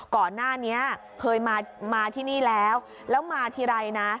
ก่อนหน้านี้เคยมาที่นี่แล้วแล้วมาทีไรนะ